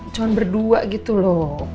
cuman berdua gitu loh